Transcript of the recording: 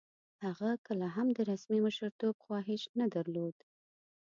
هغه کله هم د رسمي مشرتوب خواهیش نه درلود.